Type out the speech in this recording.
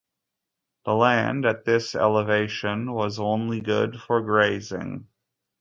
The land at this elevation was only good for grazing.